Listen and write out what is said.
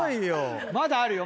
まだあるよ。